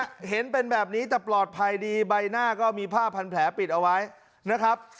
เห็นเป็นแบบนี้แต่ปลอดภัยดีใบหน้าก็มีผ้าพันแผลปิดเอาไว้นะครับ